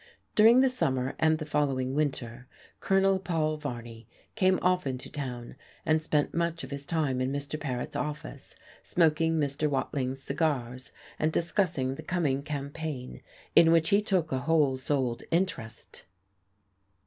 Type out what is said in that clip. During the summer and the following winter Colonel Paul Varney came often to town and spent much of his time in Mr. Paret's office smoking Mr. Watling's cigars and discussing the coming campaign, in which he took a whole souled interest.